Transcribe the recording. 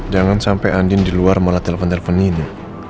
jangan sampai andien di luar mula telfon telfon ini